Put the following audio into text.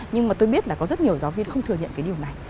nhưng mà tôi biết là có rất nhiều giáo viên không thừa nhận cái điều này